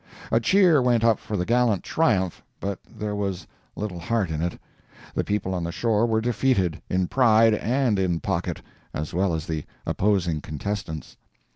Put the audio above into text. A cheer went up for the gallant triumph, but there was little heart in it. The people on the shore were defeated, in pride and in pocket, as well as the opposing contestants.